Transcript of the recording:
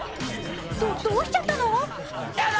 どっ、どうしちゃったの？